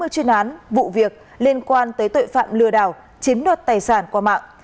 sáu mươi chuyên án vụ việc liên quan tới tội phạm lừa đảo chiếm đoạt tài sản qua mạng